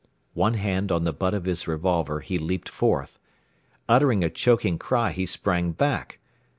One hand on the butt of his revolver, he leaped forth. Uttering a choking cry he sprang back.